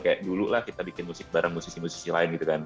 kayak dulu lah kita bikin musik bareng musisi musisi lain gitu kan